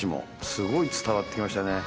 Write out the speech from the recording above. すごい伝わって来ましたね。